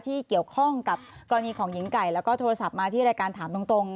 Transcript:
ที่เกี่ยวข้องกับกรณีของหญิงไก่แล้วก็โทรศัพท์มาที่รายการถามตรง